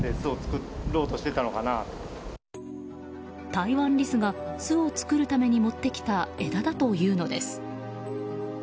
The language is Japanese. タイワンリスが巣を作るために持ってきた枝だというのです。